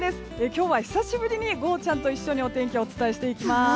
今日は久しぶりにゴーちゃん。と一緒にお伝えします。